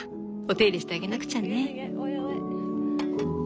お手入れしてあげなくちゃね。